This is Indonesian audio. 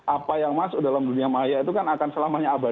apa yang masuk dalam dunia maya itu kan akan selamanya abal